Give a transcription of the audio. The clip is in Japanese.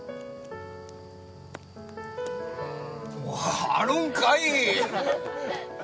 うんあるんかい！